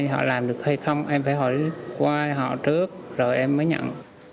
họ làm được hay không em phải họ qua họ trước rồi em mới nhận